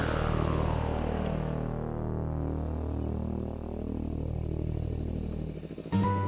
terima kasih wak